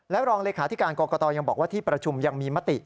รองเลขาธิการกรกตยังบอกว่าที่ประชุมยังมีมติ